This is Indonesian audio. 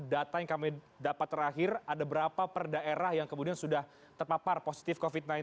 data yang kami dapat terakhir ada berapa per daerah yang kemudian sudah terpapar positif covid sembilan belas